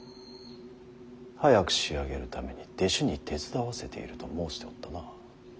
早く仕上げるために弟子に手伝わせていると申しておったな。